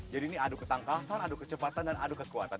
jadi ini aduk ke tangkasan aduk kecepatan dan aduk kekuatan